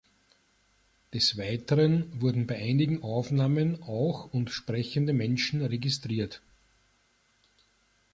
Des Weiteren wurden bei einigen Aufnahmen auch und sprechende Menschen registriert.